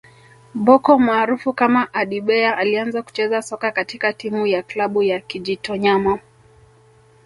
Bocco maarufu kama Adebayor alianza kucheza soka katika timu ya klabu ya Kijitonyama